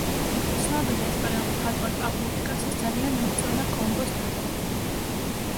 ცნობილ ესპანელ მხატვარ პაბლო პიკასოს ძალიან მოსწონდა კონგოს ნახატები.